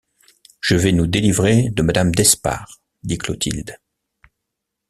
Je vais nous délivrer de madame d’Espard, dit Clotilde.